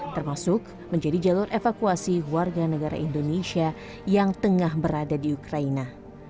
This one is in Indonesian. termasuk menjadi jalur evakuasi warga negara indonesia yang tengah berada di ukraina